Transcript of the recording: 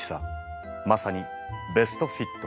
まさにベストフィット！